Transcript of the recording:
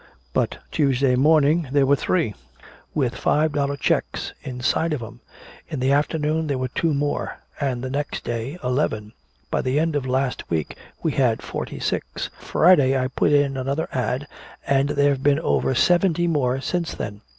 But Tuesday morning there were three, with five dollar checks inside of 'em! In the afternoon there were two more and the next day eleven! By the end of last week we'd had forty six! Friday I put in another 'ad' and there've been over seventy more since then!